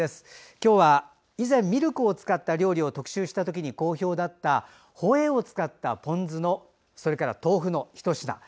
今日は、以前ミルクを使った料理を特集した時に好評だった、ホエーを使ったポン酢と豆腐のひと品。